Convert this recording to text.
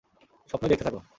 স্বপ্নই দেখতে থাক।